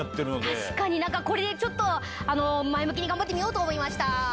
確かに、なんかこれでちょっと前向きに頑張ってみようと思いました。